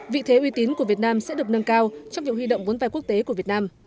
vị thế uy tín của việt nam sẽ được nâng cao trong việc huy động vốn vai quốc tế của việt nam